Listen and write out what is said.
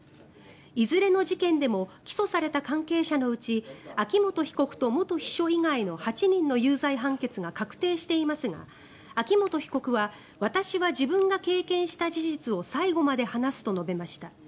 いずれの事件でも起訴された関係者のうち秋元被告と元秘書以外の８人の有罪判決が確定していますが秋元被告は私は自分が経験した事実を最後まで話すと述べました。